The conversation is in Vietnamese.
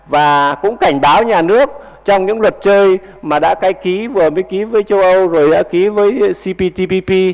và cũng cảnh báo nhà nước trong những luật chơi mà đã cái ký vừa mới ký với châu âu rồi đã ký với cptpp